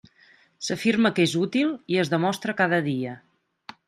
S'afirma que és útil, i es demostra cada dia.